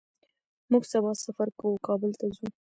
موږ سبا سفر کوو او کابل ته ځو